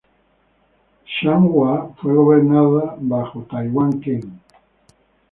Changhua fue gobernado bajo Taiwán ken.